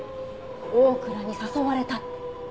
大倉に誘われたって。